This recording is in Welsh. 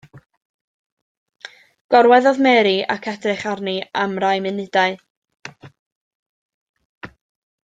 Gorweddodd Mary ac edrych arni am rai munudau.